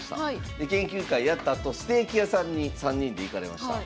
で研究会やったあとステーキ屋さんに３人で行かれました。